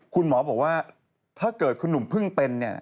คุณหมอบอกว่าถ้าเกิดคุณหนุ่มเพิ่งเป็นเนี่ย